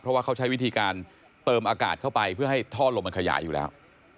เพราะว่าเขาใช้วิธีการเติมอากาศเข้าไปเพื่อให้ท่อลมมันขยายอยู่แล้ว